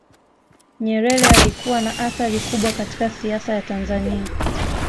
nyerere alikuwa na athari kubwa katika siasa ya tanzania